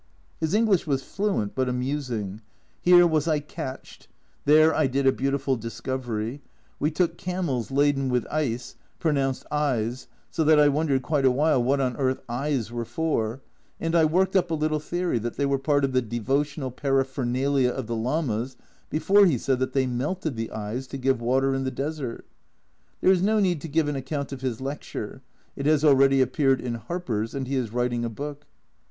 His English was fluent, but amusing "Here was I catched "" There I did a beautiful discovery" "We took camels laden with 238 A Journal from Japan ice" (pronounced "eyes") so that I wondered quite a while what on earth " eyes " were for, and I worked up a little theory that they were part of the devotional paraphernalia of the Lamas before he said that they melted the "eyes " to give water in the desert. There is no need to give an account of his lecture it has already appeared in Harper's, and he is writing a book.